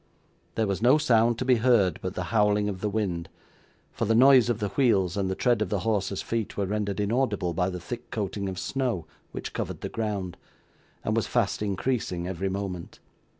There was no sound to be heard but the howling of the wind; for the noise of the wheels, and the tread of the horses' feet, were rendered inaudible by the thick coating of snow which covered the ground, and was fast increasing every moment.